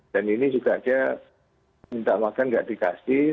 dan ini juga dia minta makan tidak dikasih